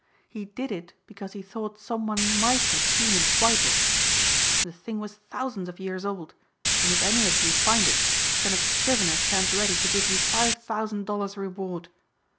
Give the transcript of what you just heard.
He did it because he thought some one might have seen him swipe it. The thing was thousands of years old and if any of you find it Senator Scrivener stands ready to give you five thousand dollars reward.